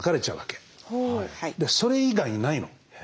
それ以外にないの。